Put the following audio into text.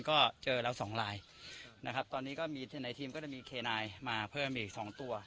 ก็เจอเราสองลายนะครับตอนนี้ก็มีในทีมก็จะมีเคนายมาเพิ่มอีกสองตัว